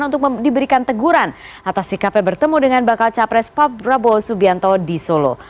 untuk diberikan teguran atas sikapnya bertemu dengan bakal capres pak prabowo subianto di solo